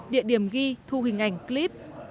địa điểm ghi thu hình ảnh clip